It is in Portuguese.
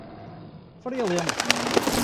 Faria Lemos